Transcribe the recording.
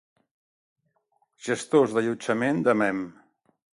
Gestors d'allotjament de mem.